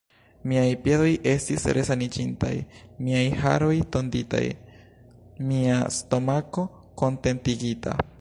Miaj piedoj estis resaniĝintaj, miaj haroj tonditaj, mia stomako kontentigita.